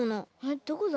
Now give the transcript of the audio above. どこだ？